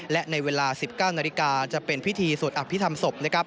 และในเวลา๑๙นาฬิกาจะเป็นพิธีสวดอภิษฐรรมศพนะครับ